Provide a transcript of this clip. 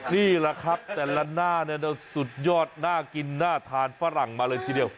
นี่แหละครับแต่ละหน้าสุดยอดน่ากินน่าทานฝรั่งมาเลยทีเดียว